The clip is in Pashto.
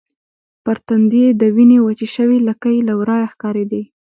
پر تندي يې د وینې وچې شوې لکې له ورایه ښکارېدې.